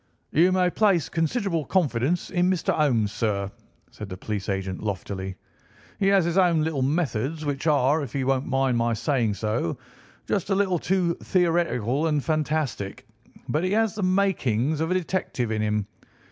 "You may place considerable confidence in Mr. Holmes, sir," said the police agent loftily. "He has his own little methods, which are, if he won't mind my saying so, just a little too theoretical and fantastic, but he has the makings of a detective in him.